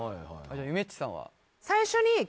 ゆめっちさんは？